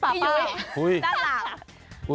ที่อยู่ซักหน่า